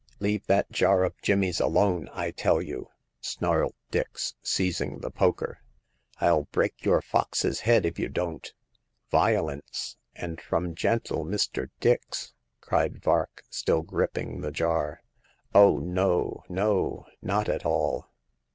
" Leave that jar of Jimmy's alone, I tell you !" snarled Dix, seizing the poker. I'll break your fox's head if you don't !"Violence — and from gentle Mr. Dix !" cried Vark, still gripping the jar. Oh, no, no, not at all